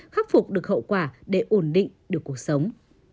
khắc phục được hậu quả để ổn định được cuộc sống